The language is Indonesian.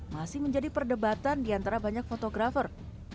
masih menjadi perdebatan diantara banyak fotografer